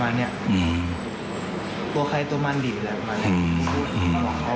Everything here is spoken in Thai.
ตัวใครตัวมันดีหรืออะไรประมาณเนี้ยอืมอืมอืม